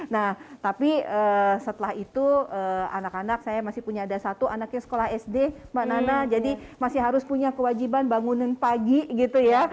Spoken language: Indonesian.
nah tapi setelah itu anak anak saya masih punya ada satu anaknya sekolah sd mbak nana jadi masih harus punya kewajiban bangunan pagi gitu ya